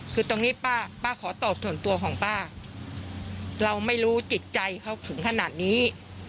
คือตรงนี้ป้าขอตอบส่วนตัวของป้าเราไม่รู้จิตใจเขาถึงขนาดนี้